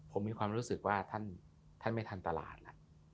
ผมมีความรู้สึกว่าท่านไม่ทันตลาดแล้ว